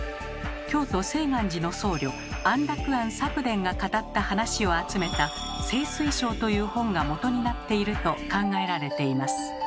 京都・誓願寺の僧侶安楽庵策伝が語った話を集めた「醒睡笑」という本が元になっていると考えられています。